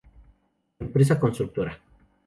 Empresa Constructora".